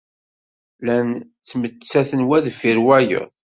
Llan ttmettaten wa deffir wayeḍ.